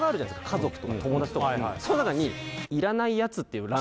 家族とか友達とかその中にえーっ